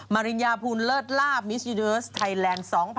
ริญญาภูมิเลิศลาบมิชยูเดิร์สไทยแลนด์๒๐๑๖